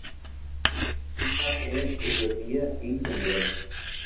Habita en Etiopía y Senegal.